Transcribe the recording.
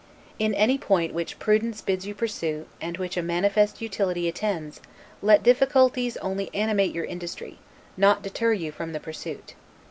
In any point which prudence bids you pursue, and which a manifest utility attends, let difficulties only animate your industry, not deter you from the pursuit.